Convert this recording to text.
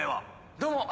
どうも。